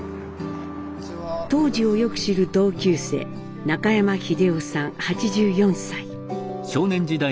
当時をよく知る同級生中山秀男さん８４歳。